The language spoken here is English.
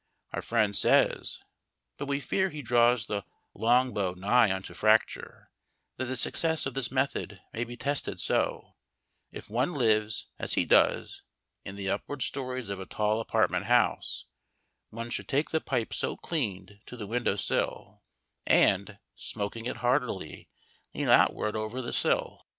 Our friend says (but we fear he draws the longbow nigh unto fracture) that the success of this method may be tested so: if one lives, as he does, in the upward stories of a tall apartment house, one should take the pipe so cleansed to the window sill, and, smoking it heartily, lean outward over the sill.